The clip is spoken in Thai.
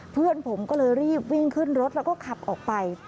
เพื่อนผมก็เลยรีบวิ่งขึ้นรถแล้วก็ขับออกไป